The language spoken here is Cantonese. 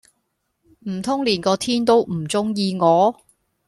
唔通連個天都唔鐘意我？